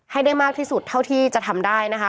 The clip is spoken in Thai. ให้ได้มากที่สุดเท่าที่จะทำได้นะคะ